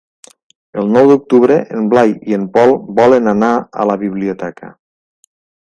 El nou d'octubre en Blai i en Pol volen anar a la biblioteca.